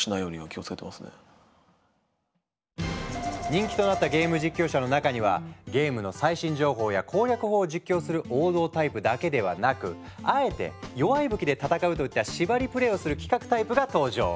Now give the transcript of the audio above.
人気となったゲーム実況者の中にはゲームの最新情報や攻略法を実況する王道タイプだけではなくあえて弱い武器で戦うといった縛りプレーをする企画タイプが登場。